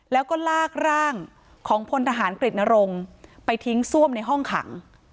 แล้วก็ลากร่างของพลทหารกฤตนรงค์ไปทิ้งซ่วมในห้องขัง